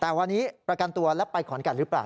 แต่วันนี้ประกันตัวแล้วไปขอนแก่นหรือเปล่า